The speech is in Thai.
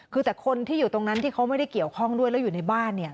คือแต่คนที่อยู่ตรงนั้นที่เขาไม่ได้เกี่ยวข้องด้วยแล้วอยู่ในบ้านเนี่ย